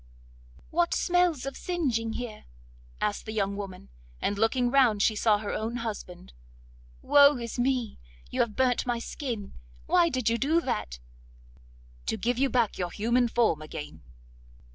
'What smells of singeing here?' asked the young woman, and looking round she saw her own husband. 'Woe is me! you have burnt my skin. Why did you do that?' 'To give you back your human form again.